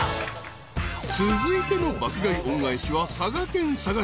［続いての爆買い恩返しは佐賀県佐賀市］